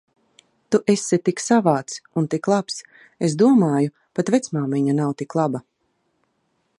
Tu esi tik savāds un tik labs. Es domāju, pat vecmāmiņa nav tik laba.